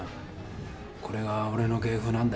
これがおれの芸風なんだよ。